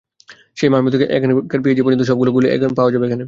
সেই মালমো থেকে এখনকার পিএসজি পর্যন্ত সবগুলো গোলই পাওয়া যাবে এখানে।